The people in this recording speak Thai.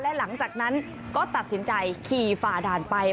และหลังจากนั้นก็ตัดสินใจขี่ฝ่าด่านไป